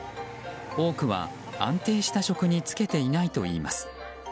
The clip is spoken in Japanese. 多くは安定した職に就けていないといいます。